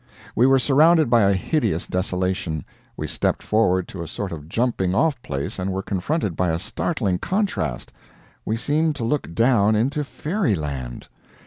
We were surrounded by a hideous desolation. We stepped forward to a sort of jumping off place, and were confronted by a startling contrast: we seemed to look down into fairyland.